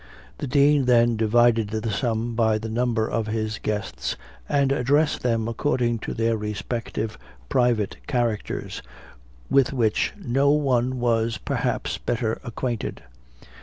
The Dean then divided the sum by the number of his guests, and addressed them according to their respective private characters, with which no one was, perhaps, better acquainted.